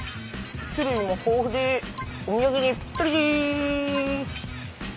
種類も豊富でお土産にぴったりです。